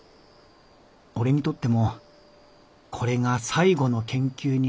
俺にとってもこれが最後の研究になるかもしれない。